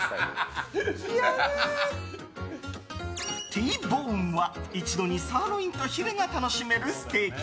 Ｔボーンは一度にサーロインとヒレが楽しめるステーキ。